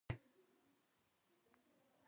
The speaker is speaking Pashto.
بقا د همکارۍ اړتیا لري.